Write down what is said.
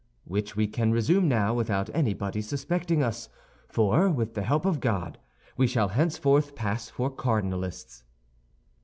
"Which we can resume now without anybody suspecting us, for, with the help of God, we shall henceforth pass for cardinalists."